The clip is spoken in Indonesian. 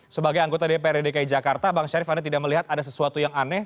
sebagai anggota dprd dki jakarta bang syarif anda tidak melihat ada sesuatu yang aneh